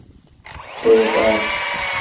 ٹیپر